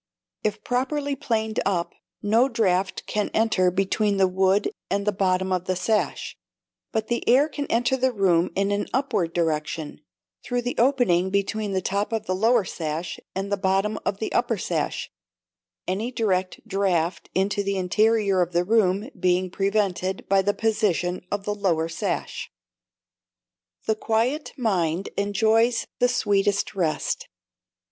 If properly planed up, no draught can enter between the wood and the bottom of the sash; but the air can enter the room in an upward direction, through the opening between the top of the lower sash and the bottom of the upper sash, any direct draught into the interior of the room being prevented by the position of the lower sash. [THE QUIET MIND ENJOYS THE SWEETEST REST.